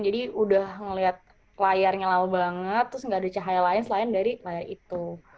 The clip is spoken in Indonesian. jadi udah ngelihat layarnya lalu banget terus nggak ada cahaya lain selain dari layar itu